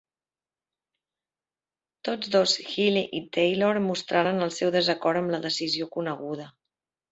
Tots dos Healy i Taylor mostraren el seu desacord amb la decisió coneguda.